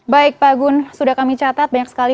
baik pak gun sudah kami catat banyak sekali